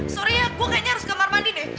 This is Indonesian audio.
sorry ya gue kayaknya harus ke kamar mandi deh